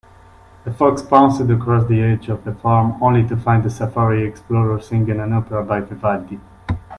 The fox pounced across the edge of the farm, only to find a safari explorer singing an opera by Vivaldi.